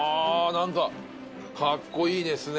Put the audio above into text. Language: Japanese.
なんかかっこいいですね